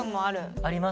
あります。